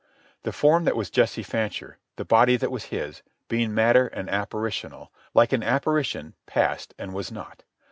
The form that was Jesse Fancher, the body that was his, being matter and apparitional, like an apparition passed and was not.